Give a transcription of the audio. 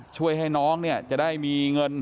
ช่วยให้น้องเนี่ยจะได้มีเงิน